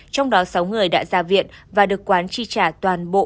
trong đó sáu người đã ra viện và được quán chi trả toàn bộ